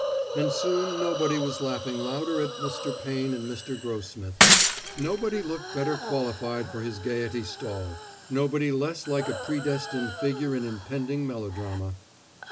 And soon nobody was laughing louder at Mr. Payne and Mr. Grossmith; nobody looked better qualified for his gaiety stall, nobody less like a predestined figure in impending melodrama.